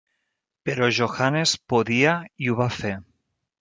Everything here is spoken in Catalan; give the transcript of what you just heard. Però Johannes podia, i ho va fer.